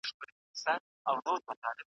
هر یو پر خپله لاره روان سي .